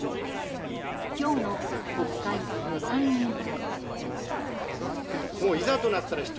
今日の国会、予算委員会。